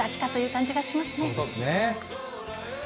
そうですね。